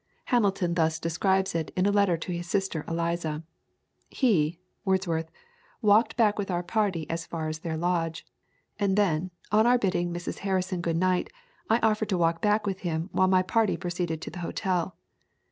Hamilton thus describes it in a letter to his sister Eliza: "He (Wordsworth) walked back with our party as far as their lodge, and then, on our bidding Mrs. Harrison good night, I offered to walk back with him while my party proceeded to the hotel.